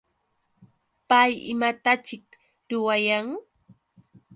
¿Pay imataćhik ruwayan?